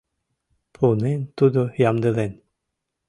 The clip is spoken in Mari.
Пунен тудо ямдылен